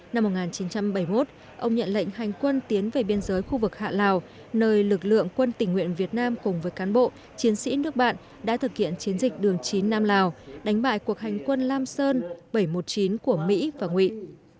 năm một nghìn chín trăm bảy mươi một ông nhận lệnh hành quân tiến về biên giới khu vực hạ lào nơi lực lượng quân tỉnh nguyện việt nam cùng với cán bộ chiến sĩ nước bạn đã thực hiện chiến dịch đường chín nam lào đánh bại cuộc hành quân lam sơn bảy trăm một mươi chín của mỹ và nguyễn